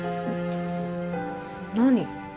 何？